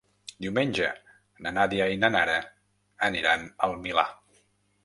Diumenge na Nàdia i na Nara aniran al Milà.